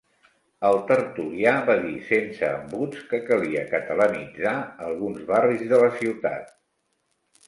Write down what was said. El tertulià va dir sense embuts que calia catalanitzar alguns barris de la ciutat.